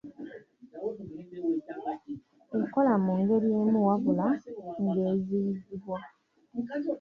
Ekola mu ngeri emu wabula ng'eziyizibwa.